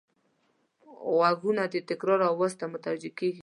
غوږونه د تکرار آواز ته متوجه کېږي